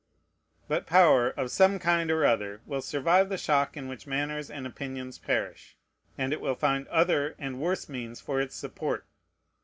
But power, of some kind or other, will survive the shock in which manners and opinions perish; and it will find other and worse means for its support.